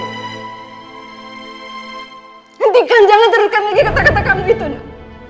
hentikan jangan teruskan lagi kata kata kami gitu nak